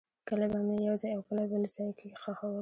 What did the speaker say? کله به مې یو ځای او کله بل ځای کې خښول.